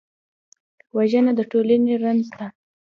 وژنه د ټولنې رنځ ده